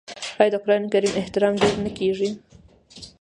آیا د قران کریم احترام ډیر نه کیږي؟